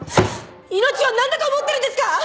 命をなんだと思ってるんですか！